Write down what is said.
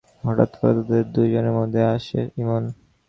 হঠাৎ করে তাঁদের দুজনের মধ্যে আসে ইমন।